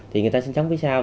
thì người ta sinh sống phía sau